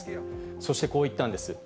そしてこう言ったんです。